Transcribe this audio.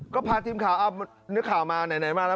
ก็พาทีมข่าวนึกข่าวมาไหนมาแล้ว